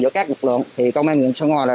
với các lực lượng thì công an huyện sơn hòa